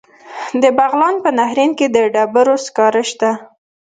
د بغلان په نهرین کې د ډبرو سکاره شته.